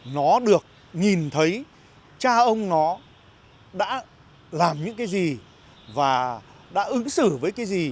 nó được nhìn thấy cha ông nó đã làm những cái gì và đã ứng xử với cái gì